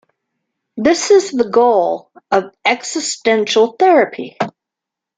This is the goal of existential therapy.